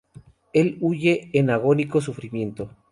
Él huye en agónico sufrimiento.